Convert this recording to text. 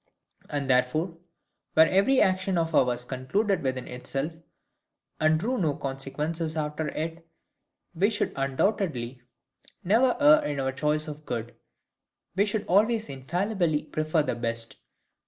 And therefore were every action of ours concluded within itself, and drew no consequences after it, we should undoubtedly never err in our choice of good: we should always infallibly prefer the best.